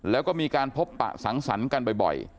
แล้วก็มีการพบปะสังสรรค์กันบ่อย